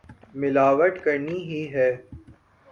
ملاوٹ کرنی ہی ہے۔